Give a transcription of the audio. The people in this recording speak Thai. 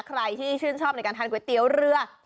ใครที่ชื่นชอบในการทานก๋วยเตี๋ยวเรือ